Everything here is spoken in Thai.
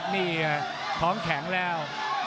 นี่ท้องแข็งแล้ว